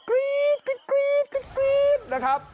กรี๊ดนะครับ